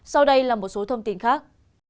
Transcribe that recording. sau đây là một số thông tin khác